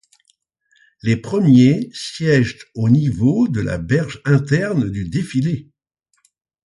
Les premiers siègent au niveau de la berge interne du défilé.